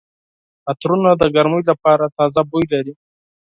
عطرونه د ګرمۍ لپاره تازه بوی لري.